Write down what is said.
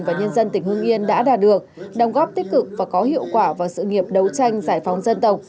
và nhân dân tỉnh hương yên đã đạt được đồng góp tích cực và có hiệu quả vào sự nghiệp đấu tranh giải phóng dân tộc